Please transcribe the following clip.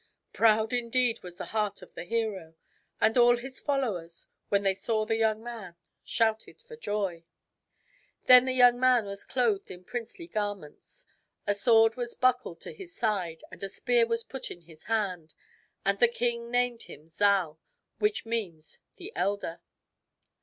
Proud, indeed, was the heart of the hero ; and all his followers, when they saw the young man, shouted for joy. Then the young man was clothed in princely gar ments. A sword was buckled to his side and a spear was put in his hand. And the king named him Zal, which means the Elder.